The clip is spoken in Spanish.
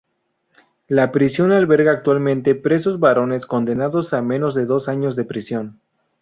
La prisión alberga actualmente presos varones condenados a menos de dos años de prisión.